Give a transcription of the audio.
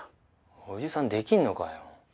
伯父さんできるのかよ？